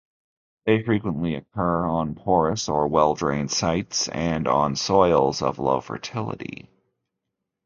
They frequently occur on porous or well-drained sites and on soils of low fertility.